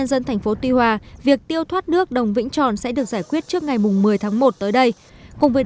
cùng với đó tp sẽ tiêu thoát nước đồng vĩnh tròn